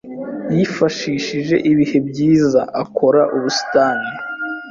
Yifashishije ibihe byiza akora ubusitani.